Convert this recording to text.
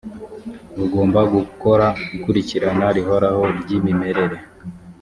bugomba gukora ikurikirana rihoraho ry imirere